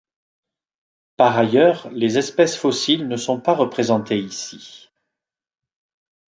Par ailleurs, les espèces fossiles ne sont pas représentées ici.